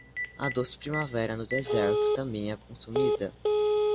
A doce primavera no deserto também é consumida